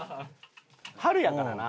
春やからな。